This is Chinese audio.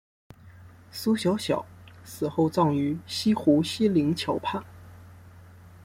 苏小小死后葬于西湖西泠桥畔。